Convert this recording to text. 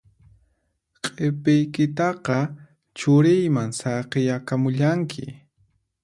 Q'ipiykitaqa churiyman saqiyakamullanki